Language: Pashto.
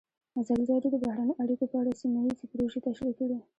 ازادي راډیو د بهرنۍ اړیکې په اړه سیمه ییزې پروژې تشریح کړې.